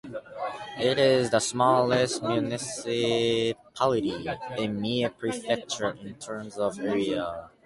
It is the smallest municipality in Mie Prefecture in terms of area.